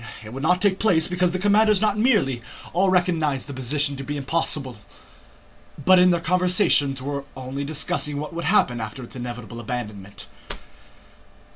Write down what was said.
It would not take place because the commanders not merely all recognized the position to be impossible, but in their conversations were only discussing what would happen after its inevitable abandonment.